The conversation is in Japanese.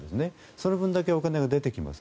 その分だけお金が出てきます。